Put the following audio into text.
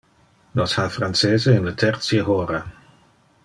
Nos ha francese in le tertie hora.